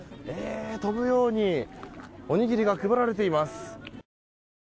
飛ぶようにおにぎりが配られています。